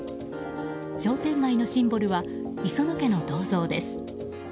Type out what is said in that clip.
商店街のシンボルは磯野家の銅像です。